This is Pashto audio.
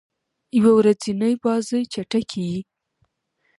یو ورځنۍ بازۍ چټکي يي.